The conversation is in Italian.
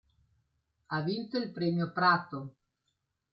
Ha vinto il premio Prato.